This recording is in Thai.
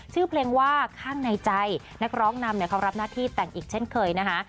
ชื่อเพลงว่าข้างในใจนักร้องนำเนี่ยเขารับหน้าที่แต่งอีกเช่นเคยนะคะ